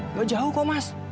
nggak jauh kok mas